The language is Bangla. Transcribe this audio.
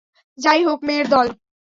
যাই হোক, মেয়ের দল।